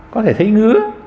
có thể thấy ngứa